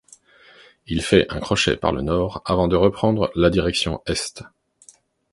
Il fait un crochet par le nord avant de reprendre la direction est.